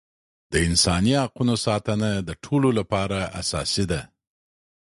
د انساني حقونو ساتنه د ټولو لپاره اساسي ده.